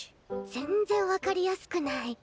全然分かりやすくない。